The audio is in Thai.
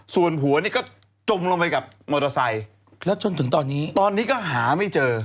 ส่วนหัวนี่ก็จมลงไปกับมอเตอร์ไซค์แล้วจนถึงตอนนี้ตอนนี้ก็หาไม่เจอ